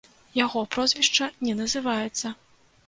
Яго прозвішча не называецца.